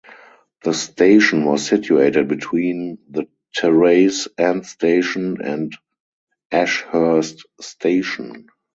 The station was situated between the Terrace End Station and Ashhurst Station.